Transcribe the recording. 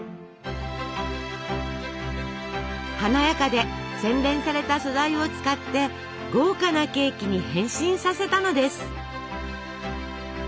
華やかで洗練された素材を使って豪華なケーキに変身させたのです。